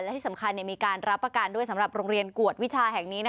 และที่สำคัญมีการรับประการด้วยสำหรับโรงเรียนกวดวิชาแห่งนี้